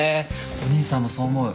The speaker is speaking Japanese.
お兄さんもそう思う。